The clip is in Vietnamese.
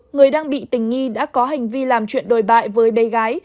người đang bị tình nghi đã có hành vi làm chuyện đồi bại với bé gái